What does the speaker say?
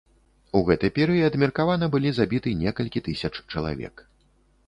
У гэты перыяд меркавана былі забіты некалькі тысяч чалавек.